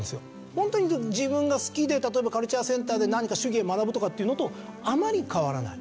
本当に自分が好きで例えばカルチャーセンターで何か手芸を学ぶとかっていうのとあまり変わらない。